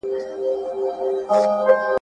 اسلام د سولي او مېړاني ابدي پیغام دی.